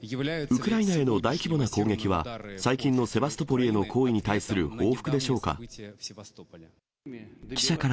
ウクライナへの大規模な攻撃は、最近のセバストポリへの行為に対する報復でしょうか。